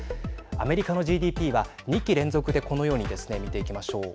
アメリカのＧＤＰは、２期連続でこのようにですね見ていきましょう。